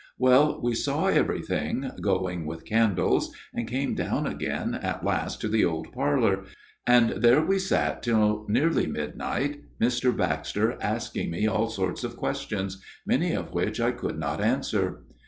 " Well, we saw everything, going with candles, and came down again at last to the old parlour, and there we sat till nearly midnight, Mr. Baxter asking me all sorts of questions, many of which I could not answer.